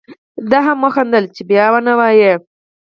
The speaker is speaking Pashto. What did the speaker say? ده هم وخندل چې بیا و نه وایې.